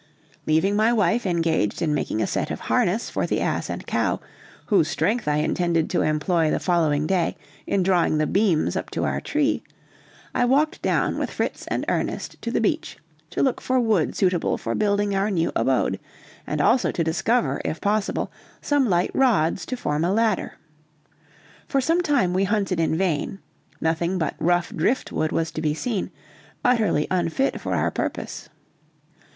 Leaving my wife engaged in making a set of harness for the ass and cow, whose strength I intended to employ the following day in drawing the beams up to our tree, I walked down with Fritz and Ernest to the beach to look for wood suitable for building our new abode, and also to discover, if possible, some light rods to form a ladder. For some time we hunted in vain, nothing but rough drift wood was to be seen, utterly unfit for our purpose.